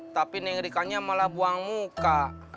tapi nih rikanya malah buang muka